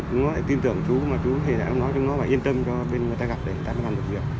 ừ bởi vì nó tin tưởng chú mà chú hề đã nói cho nó và yên tâm cho bên người ta gặp để người ta làm được việc